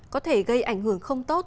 có thể gây ảnh hưởng không tốt